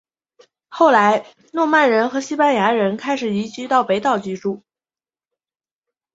后来诺曼人和西班牙人开始移到此岛居住。